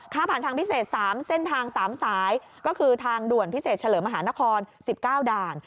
ผ่านทางพิเศษ๓เส้นทาง๓สายก็คือทางด่วนพิเศษเฉลิมมหานคร๑๙ด่าน